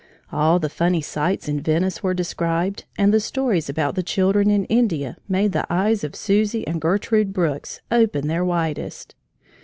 All the funny sights in Venice were described, and the stories about the children in India made the eyes of Susie and Gertrude Brooks open their widest.